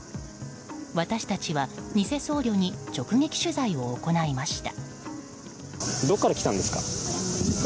私たちはニセ僧侶に直撃取材を行いました。